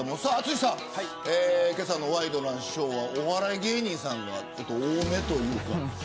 淳さん、けさのワイドナショーはお笑い芸人さんが多めというか。